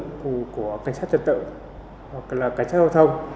các lực lượng của cảnh sát trật tự cảnh sát giao thông